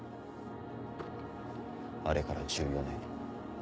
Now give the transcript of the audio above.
あれから１４年。